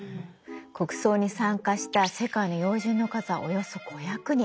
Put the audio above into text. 国葬に参加した世界の要人の数はおよそ５００人。